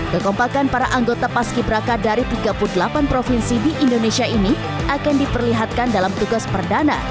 kekompakan para anggota paski beraka dari tiga puluh delapan provinsi di indonesia ini akan diperlihatkan dalam tugas perdana